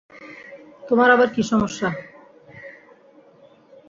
তোমার আবার কি সমস্যা?